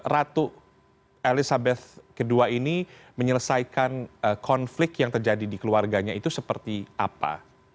ratu elizabeth ii ini menyelesaikan konflik yang terjadi di keluarganya itu seperti apa